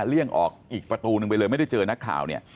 เลี่ยงออกอีกประตูนึงไปเลยไม่ได้เจอนักข่าวเนี่ย